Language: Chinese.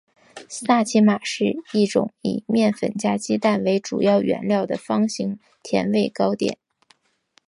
萨其马是一种以面粉加鸡蛋为主要原料的方形甜味糕点。